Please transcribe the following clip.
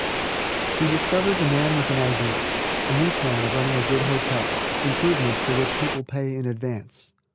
HE DISCOVERS A MAN WITH AN IDEA A NEW PLAN OF RUNNING A GOOD HOTEL IMPROVEMENTS FOR WHICH PEOPLE PAY IN ADVANCE.